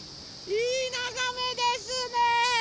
いいながめですね！